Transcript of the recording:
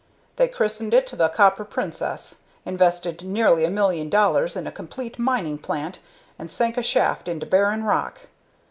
They christened it the 'Copper Princess,' invested nearly a million dollars in a complete mining plant, and sank a shaft into barren rock.